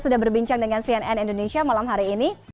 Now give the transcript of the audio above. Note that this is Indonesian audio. sudah berbincang dengan cnn indonesia malam hari ini